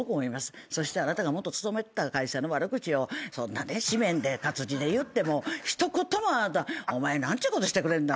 そしてあなたが元勤めてた会社の悪口を紙面で活字で言っても一言もあなたは「お前何ちゅうことしてくれんだ」